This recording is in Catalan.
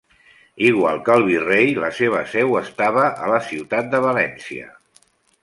Igual que el virrei la seva seu estava a la ciutat de València.